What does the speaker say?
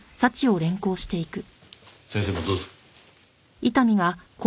先生もどうぞ。